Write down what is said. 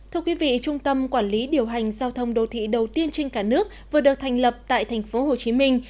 thưa quý vị trung tâm quản lý điều hành giao thông đô thị đầu tiên trên cả nước vừa được thành lập tại thành phố hồ chí minh